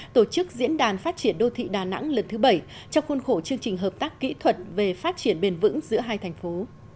tổ chức diễn đàn phát triển đô thị đà nẵng lần thứ bảy trong khuôn khổ chương trình hợp tác kỹ thuật về phát triển bền vững giữa hai thành phố